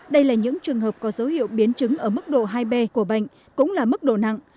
đây là những trường hợp có dấu hiệu biến chứng ở mức độ hai b của bệnh cũng là mức độ nặng